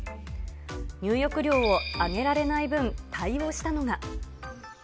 入浴料を上げられない分、対応したのが。